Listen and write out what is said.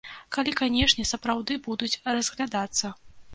Калі, канешне, сапраўды будуць разглядацца.